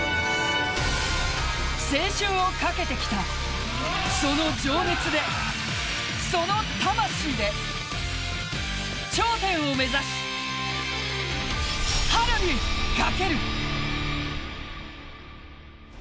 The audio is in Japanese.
青春をかけて来たその情熱でその魂で頂点を目指し春に、翔る！